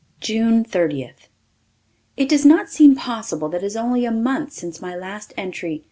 June Thirtieth. It does not seem possible that it is only a month since my last entry.